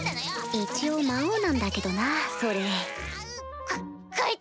一応魔王なんだけどなそれここいつ！